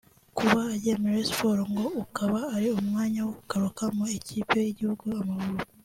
Kuba agiye muri Rayon Sport ngo ukaba ari umwanya wo kugaruka mu ikipe y’igihugu” Amavubi”